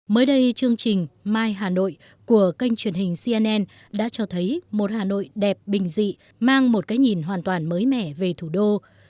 mới đây chương trình mai hà nội của kênh truyền hình cnn đã cho thấy một hà nội đẹp bình dị mang một cái nhìn hoàn toàn mới mẻ về thủ đô